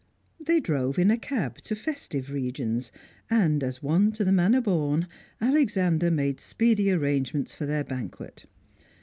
They drove in a cab to festive regions, and, as one to the manner born, Alexander made speedy arrangements for their banquet.